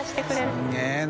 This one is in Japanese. すげぇな。